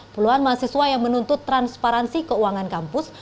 puluhan mahasiswa yang menuntut transparansi keuangan kampus